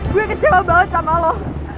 gue kecewa banget sama lo